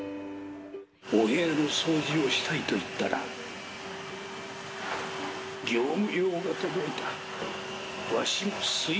お部屋の掃除をしたいと言ったら、業務用が届いた。